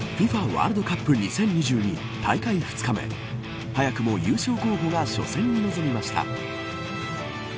ワールドカップ２０２２大会２日目早くも優勝候補が初戦に臨みました。